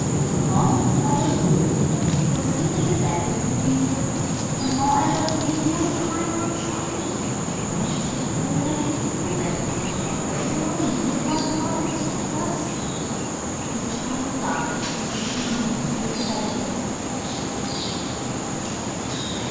So long as the weather holds we'll sleep in the bed with the green curtains, and I'll 'ave a green wood for my workshop, and when the nights get cold we'll rent a room of our very own and live like toffs, won't us?" The child's eyes were shining with excitement.